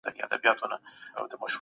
نیک اعمال د قبر ملګري دي.